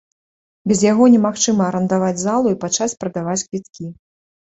Без яго немагчыма арандаваць залу і пачаць прадаваць квіткі.